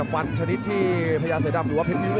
ฟันชนิดที่พญาเสือดำหรือว่าเพชรนิว